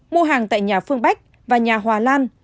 mua hàng tại nhà phương bách và nhà hòa lan